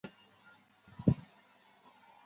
欠了他们一百多万